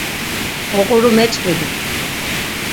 Oquru meç̌ǩvidi.